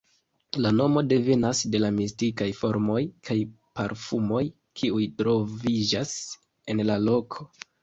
La nomo devenas de la mistikaj formoj kaj parfumoj kiuj troviĝas en la loko.